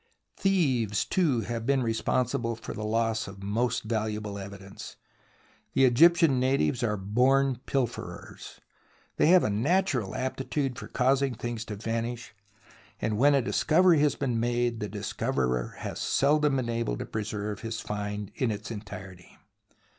Thieves, too, have been responsible for the loss of most valuable evidence. The Egyptian natives 20 THE ROMANCE OF EXCAVATION are born pilferers. They have a natural aptitude for causing things to vanish, and when a discovery has been made the discoverer has seldom been able to preserve his find in its entirety.